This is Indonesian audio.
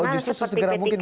oh justru sesegera mungkin